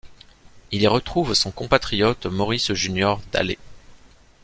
Il y retrouve son compatriote Maurice-Junior Dalé.